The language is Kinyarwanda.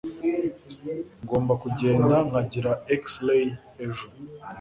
Ngomba kugenda nkagira X-ray ejo.